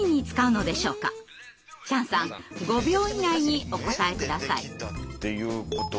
チャンさん５秒以内にお答え下さい。